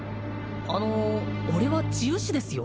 あの俺は治癒士ですよ？